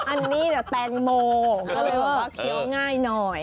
อันนี้แต่แตงโมก็เลยบอกว่าเคี้ยวง่ายหน่อย